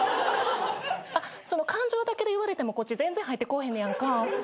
あっその感情だけで言われてもこっち全然入ってこうへんねやんか。